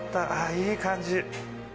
いい感じ